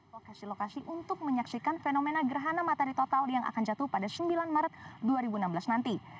lokasi lokasi untuk menyaksikan fenomena gerhana matahari total yang akan jatuh pada sembilan maret dua ribu enam belas nanti